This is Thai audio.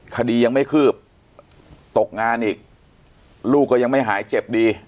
คดียังไม่คืบตกงานอีกลูกก็ยังไม่หายเจ็บดี